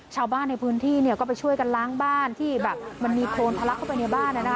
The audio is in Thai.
ชาวบ้านในพื้นที่ก็ไปช่วยกันล้างบ้านที่แบบมันมีโคนทะลักเข้าไปในบ้าน